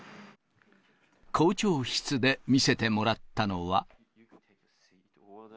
校長室で見せてもらったのは。